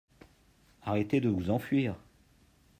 Arrêtez de vous enfuir.